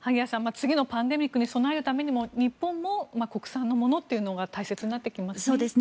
次のパンデミックに備えるためにも日本も国産のものというものが大切になってきますね。